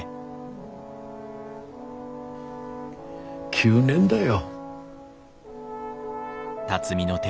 ９年だよ。